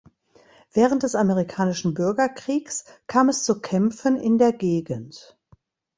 Während des Amerikanischen Bürgerkriegs kam es zu Kämpfen in der Gegend.